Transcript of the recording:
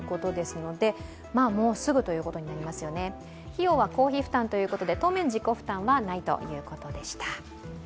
費用は公費負担ということで当面自己負担はないということでした。